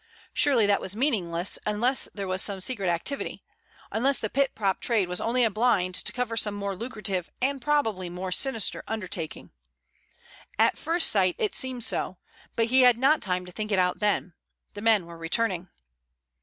Surely that was meaningless unless there was some secret activity—unless the pit prop trade was only a blind to cover some more lucrative and probably more sinister undertaking? At first sight it seemed so, but he had not time to think it out then. The men were returning.